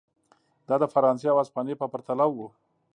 دا د فرانسې او هسپانیې په پرتله و.